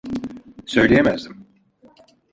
Söyleyemezdim.